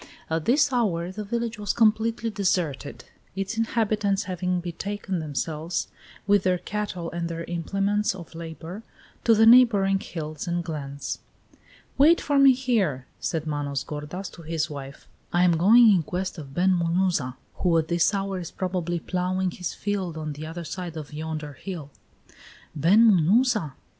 At this hour the village was completely deserted, its inhabitants having betaken themselves, with their cattle and their implements of labor, to the neighboring hills and glens. "Wait for me here," said Manos gordas to his wife. "I am going in quest of Ben Munuza, who at this hour is probably ploughing his fields on the other side of yonder hill." "Ben Munuza!"